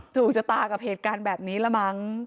ถูกชะตากับเหตุการณ์แบบนี้ละมั้ง